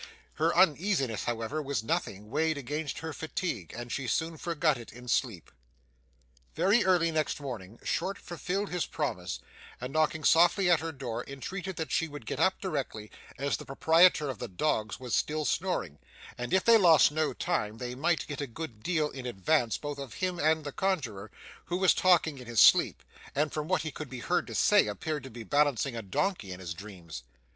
Her uneasiness, however, was nothing, weighed against her fatigue; and she soon forgot it in sleep. Very early next morning, Short fulfilled his promise, and knocking softly at her door, entreated that she would get up directly, as the proprietor of the dogs was still snoring, and if they lost no time they might get a good deal in advance both of him and the conjuror, who was talking in his sleep, and from what he could be heard to say, appeared to be balancing a donkey in his dreams.